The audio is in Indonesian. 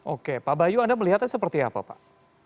oke pak bayu anda melihatnya seperti apa pak